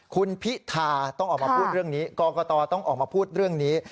คุณพิธาต้องออกมาพูดเรื่องนี้กรกตต้องออกมาพูดเรื่องนี้